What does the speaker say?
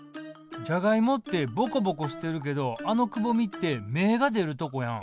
じゃがいもってぼこぼこしてるけどあのくぼみって芽が出るとこやん？